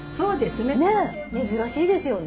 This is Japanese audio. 珍しいですよね。